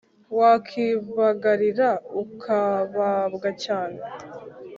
Wakibagarira ukababwa cyane